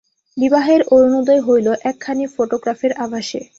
বিবাহের অরুণোদয় হইল একখানি ফোটোগ্রাফের আভাসে।